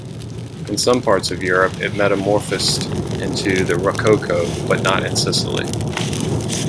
In some parts of Europe, it metamorphosed into the rococo, but not in Sicily.